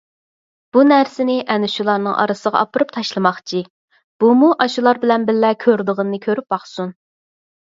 بۇ نەرسىنى ئەنە شۇلارنىڭ ئارىسىغا ئاپىرىپ تاشلىماقچى، بۇمۇ ئاشۇلار بىلەن بىللە كۆرىدىغىنىنى كۆرۈپ باقسۇن.